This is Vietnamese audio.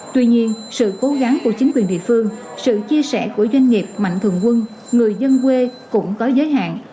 tuy nhiên sự cố gắng của chính quyền địa phương sự chia sẻ của doanh nghiệp mạnh thường quân người dân quê cũng có giới hạn